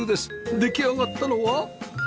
出来上がったのは